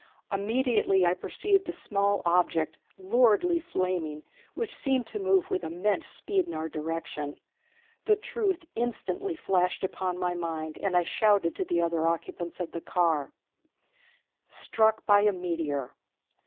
Immediately I perceived a small object, luridly flaming, which seemed to move with immense speed in our direction. The truth instantly flashed upon my mind, and I shouted to the other occupants of the car: Struck By A Meteor!